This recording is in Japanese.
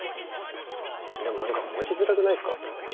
でもなんか持ちづらくないっすか？